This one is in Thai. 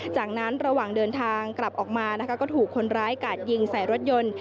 จากนั้นระหว่างเดินทางกลับออกมานะคะก็ถูกคนร้ายกาดยิงใส่รถยนต์